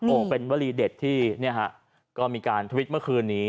โอ้โหเป็นวลีเด็ดที่เนี่ยฮะก็มีการทวิตเมื่อคืนนี้